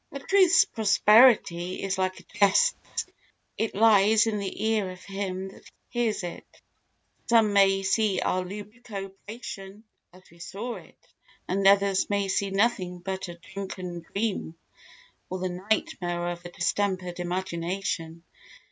A truth's prosperity is like a jest's, it lies in the ear of him that hears it. Some may see our lucubration as we saw it; and others may see nothing but a drunken dream, or the nightmare of a distempered imagination.